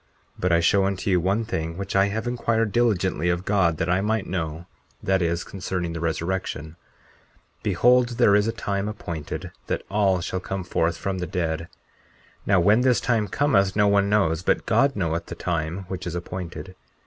But I show unto you one thing which I have inquired diligently of God that I might know—that is concerning the resurrection. 40:4 Behold, there is a time appointed that all shall come forth from the dead. Now when this time cometh no one knows; but God knoweth the time which is appointed.